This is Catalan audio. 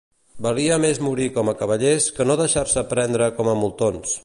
Valia més morir com a cavallers que no deixar-se prendre com a moltons.